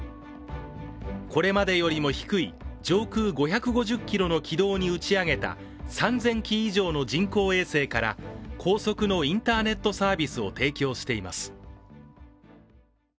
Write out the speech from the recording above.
これまでよりも低い、上空５５０ｋｍの軌道に打ち上げた３０００基以上の人工衛星から高速のインターネットサービスを提供しています。